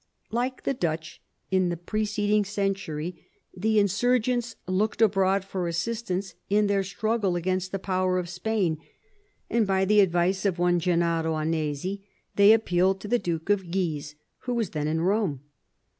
Like the Dutch in the preceding century, the insurgents looked abroad for assistance in their struggle against the power of Spain, and by the advice of one Gennaro Annesi they appealed to the Duke of Guise, who was then in Rome.